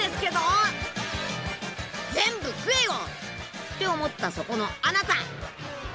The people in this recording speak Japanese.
「全部食えよ！」って思ったそこのあなた。